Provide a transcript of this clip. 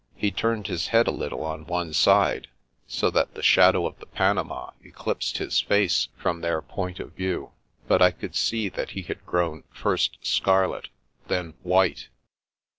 He turned his head a little on one side, so that the shadow of the panama eclipsed his face from their point of view; but I could see that he had first grown scarlet, then white.